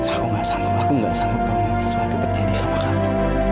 aku gak sanggup aku gak sanggup gak ngeliat sesuatu terjadi sama kamu